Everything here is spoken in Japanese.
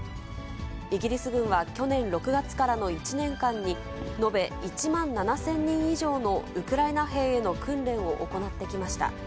イギリス軍は去年６月からの１年間に、延べ１万７０００人以上のウクライナ兵への訓練を行ってきました。